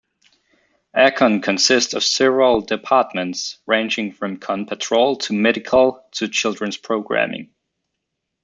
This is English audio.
A-Kon consists of several departments, ranging from Kon Patrol to Medical to Children's Programming.